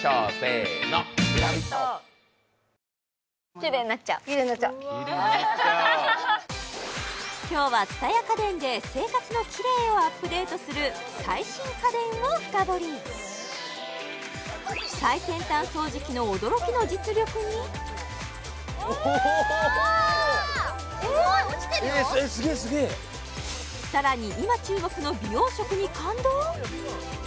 キレイになっちゃう今日は蔦屋家電で生活のキレイをアップデートする最新家電を深掘り最先端掃除機の驚きの実力にすげえすげえさらに今注目の美容食に感動？